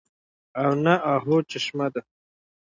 او نه اۤهو چشمه ده